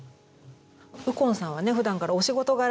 右近さんはねふだんからお仕事柄